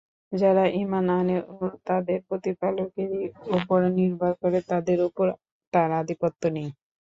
যারা ঈমান আনে ও তাদের প্রতিপালকেরই উপর নির্ভর করে তাদের উপর তার আধিপত্য নেই।